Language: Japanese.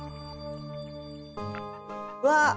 うわっ！